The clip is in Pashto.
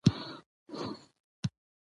تر څو پورې چې نازنين لويه شوې نه وي.